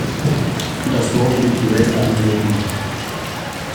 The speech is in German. Das Dorf liegt direkt am Regen.